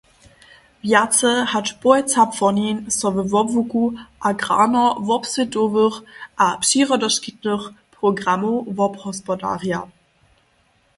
Wjace hač połojca płonin so we wobłuku agrarno-wobswětowych a přirodoškitnych programow wobhospodarja.